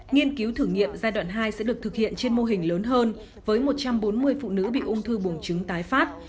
nghiên cứu thử nghiệm giai đoạn hai sẽ được thực hiện trên mô hình lớn hơn với một trăm bốn mươi phụ nữ bị ung thư buồng trứng tái phát